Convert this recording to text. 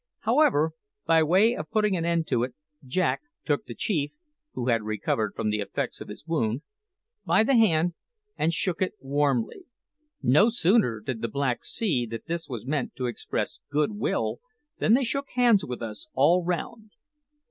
However, by way of putting an end to it, Jack took the chief (who had recovered from the effects of his wound) by the hand and shook it warmly. No sooner did the blacks see that this was meant to express good will than they shook hands with us all round.